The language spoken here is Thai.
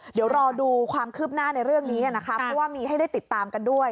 เดี๋ยวรอดูความคืบหน้าในเรื่องนี้นะคะเพราะว่ามีให้ได้ติดตามกันด้วย